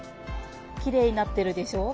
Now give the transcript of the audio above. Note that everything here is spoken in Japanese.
きれいになってるでしょう？